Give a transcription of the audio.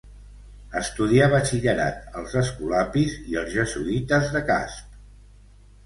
Estudià batxillerat als Escolapis i als Jesuïtes de Casp.